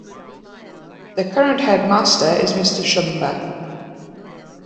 The current headmaster is Mr. Shumba.